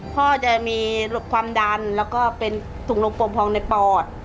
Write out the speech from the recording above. พ่อจะมีความดันแล้วก็เป็นถุงลมกลมพองในปอด